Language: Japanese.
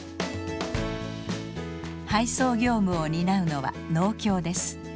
配送業務を担うのは農協です。